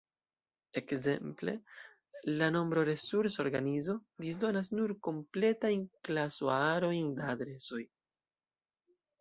Ekzemple, la Nombro-Resursa Organizo disdonas nur kompletajn klaso-A-arojn da adresoj.